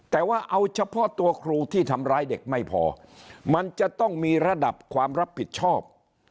แต่ว่าเอาเฉพาะตัวครูที่ทำร้ายเด็กไม่พอมันจะต้องมีระดับความรับผิดชอบ